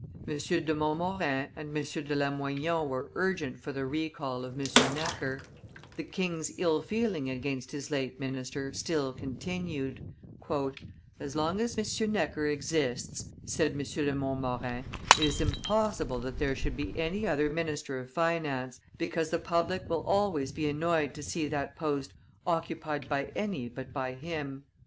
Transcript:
M. de Montmorin and M. de Lamoignon were urgent for the recall of M. Necker. The king's ill feeling against his late minister still continued. "As long as M. Necker exists," said M. de Montmorin, "it is impossible that there should be any other minister of finance, because the public will always be annoyed to see that post occupied by any but by him."